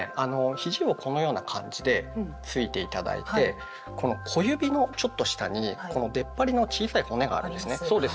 ひじをこのような感じでついて頂いてこの小指のちょっと下にこの出っ張りの小さい骨があるんですね。あります。